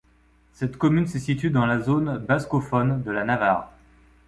Cette commune se situe dans la zone bascophone de la Navarre.